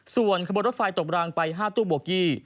ส่วนขบรถรถไฟตกรางไป๕ตู้บวกยี่